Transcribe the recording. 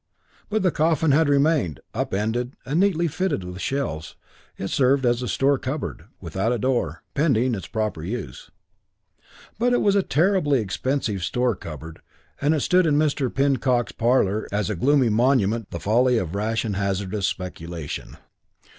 But the coffin had remained. Up ended and neatly fitted with shelves, it served as a store cupboard, without a door, pending its proper use. But it was a terribly expensive store cupboard and it stood in Mr. Pinnock's parlour as a gloomy monument to the folly of rash and hazardous speculation.